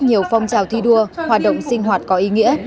nhiều phong trào thi đua hoạt động sinh hoạt có ý nghĩa